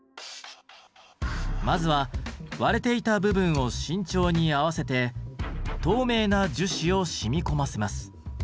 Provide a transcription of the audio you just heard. まずは割れていた部分を慎重に合わせて透明な樹脂を染み込ませます。